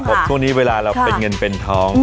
ครับคราวนี้เวลาเราเป็นเงินเป็นทอง